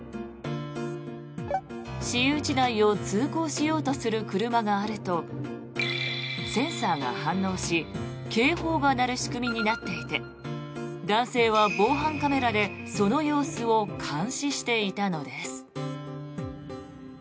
私有地内を通行しようとする車があるとセンサーが反応し警報が鳴る仕組みになっていて男性は防犯カメラでその様子を監視していたのです。